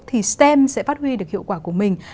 thì stem sẽ phát huy được hiệu quả của mình